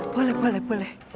boleh boleh boleh